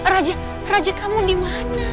raja raja kamu dimana